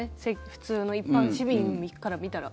普通の一般の市民から見たら。